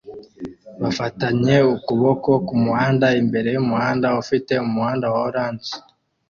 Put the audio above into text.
bafatanye ukuboko kumuhanda imbere yumuhanda ufite umuhanda wa orange